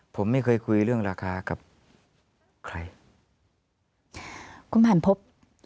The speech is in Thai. ผมไม่เคยคุยเรื่องราคากับใครคุณผ่านพบ